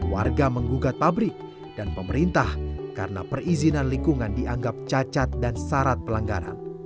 warga menggugat pabrik dan pemerintah karena perizinan lingkungan dianggap cacat dan syarat pelanggaran